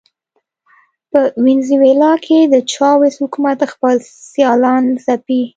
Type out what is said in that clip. په وینزویلا کې د چاوېز حکومت خپل سیالان ځپي.